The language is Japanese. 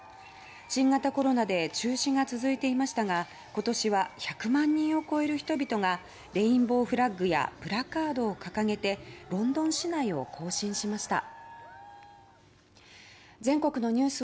新型コロナで中止が続いていましたが今年は１００万人を超える人々がレインボーフラッグやプラカードを掲げてロンドン市内を行進しました。